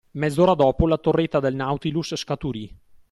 Mezz’ora dopo, la torretta del Nautilus scaturì